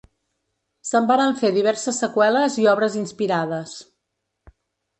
Se'n varen fer diverses seqüeles i obres inspirades.